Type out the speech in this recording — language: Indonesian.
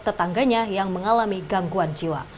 tetangganya yang mengalami gangguan jiwa